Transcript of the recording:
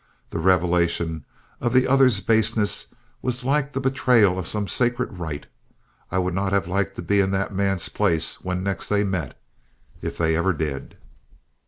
The revelation of the other's baseness was like the betrayal of some sacred rite. I would not have liked to be in the man's place when next they met, if they ever did.